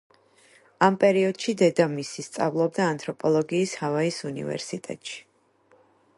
ამ პერიოდში, დედამისი სწავლობდა ანთროპოლოგიის ჰავაის უნივერსიტეტში.